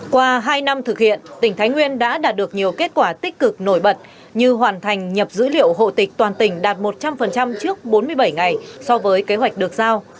qua hai năm thực hiện tỉnh thái nguyên đã đạt được nhiều kết quả tích cực nổi bật như hoàn thành nhập dữ liệu hộ tịch toàn tỉnh đạt một trăm linh trước bốn mươi bảy ngày so với kế hoạch được giao